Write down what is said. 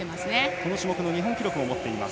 この種目の日本記録を持っています。